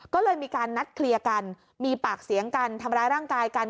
ก็เลยมีการนัดเคลียร์กันมีปากเสียงกันทำร้ายร่างกายกัน